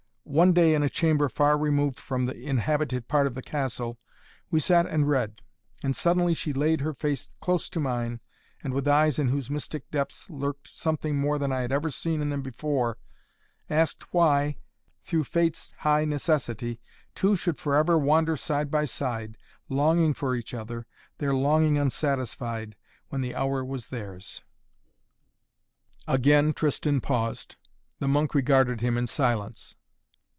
"One day in a chamber far removed from the inhabited part of the castle we sat and read. And suddenly she laid her face close to mine and with eyes in whose mystic depths lurked something more than I had ever seen in them before asked why, through Fate's high necessity, two should forever wander side by side, longing for each other their longing unsatisfied when the hour was theirs " Again Tristan paused. The monk regarded him in silence.